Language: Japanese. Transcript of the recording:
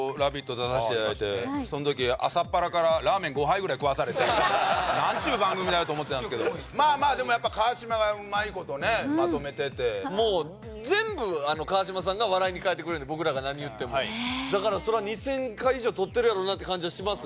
出させていただいてそんときぐらい食わされてなんちゅう番組だよと思ってたんですけどまあまあでもやっぱ川島がうまいことまとめててもう全部川島さんが笑いに変えてくれるんで僕らが何言ってもだからそれは２０００回以上とってるやろなって感じはします